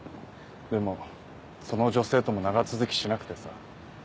でもその女性とも長続きしなくてさ。